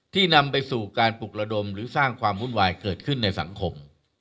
นำไปสู่การปลุกระดมหรือสร้างความวุ่นวายเกิดขึ้นในสังคม